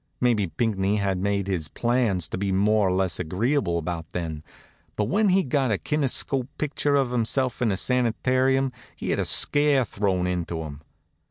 Maybe Pinckney had made his plans to be more or less agreeable about then; but when he got a kinetoscope picture of himself in a sanitarium he had a scare thrown into him.